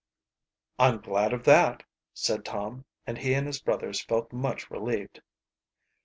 "I'm glad of that," said Tom, and he and his brothers felt much relieved.